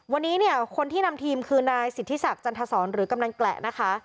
วันนี้เนี่ยคนที่นำทีมคือนายสิทธิศักดิ์จันทศรหรือกำนันแกละนะคะ